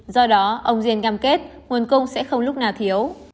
do đó ông jin cam kết nguồn cung sẽ không lúc nào thiếu